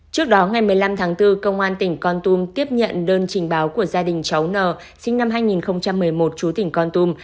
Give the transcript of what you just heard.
trước đó ngày một mươi năm tháng bốn công an tỉnh con tum tiếp nhận đơn trình báo của gia đình cháu n sinh năm hai nghìn một mươi một chú tỉnh con tum